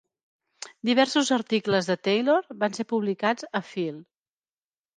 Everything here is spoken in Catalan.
Diversos articles de Taylor van ser publicats a Phil.